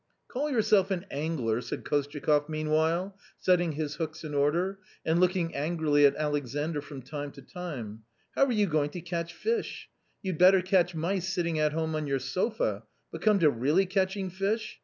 " Call yourself an angler !" said Kostyakoff meanwhile, setting his hooks in order, and looking angrily at Alexandr from time to time ; how are you going to catch fish ? You'd better catch mice sitting at home on your sofa ; but come to really catching fish